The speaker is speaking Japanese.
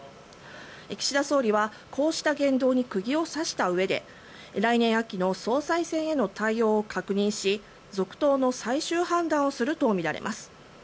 岸田総理はこうした言動に釘を刺したうえで来年秋の総裁選への対応を確認し続投の最終判断をするとみられます。